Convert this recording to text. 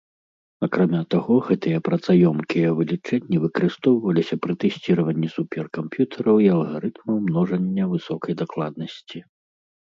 Акрамя таго, гэтыя працаёмкія вылічэнні выкарыстоўваліся пры тэсціраванні суперкамп'ютараў і алгарытмаў множання высокай дакладнасці.